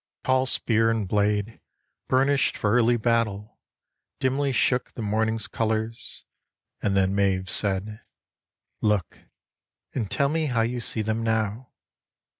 Tall spear and blade Burnished for early battle dimly shook The morning's colours, and then Maeve said : "Look And tell me how you see them now."